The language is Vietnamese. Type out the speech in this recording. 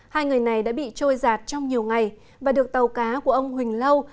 hai người này đã bị trôi giạt trong nhiều ngày và được tàu cá của ông huỳnh lâu